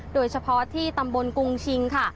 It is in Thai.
โดยเฉพาะที่ตำบลกรุงชิงค่ะ